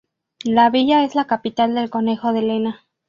La villa es la capital del concejo de Lena.